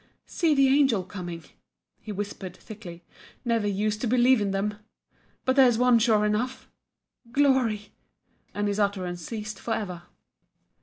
"See the angel coming?" he whispered, thickly "Never used to believe in them! but there's one sure enough! Glory !" and his utterance ceased for ever.